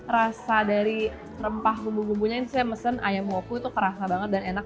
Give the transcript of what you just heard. rasa dari rempah bumbu bumbunya ini saya mesen ayam woku itu kerasa banget dan enak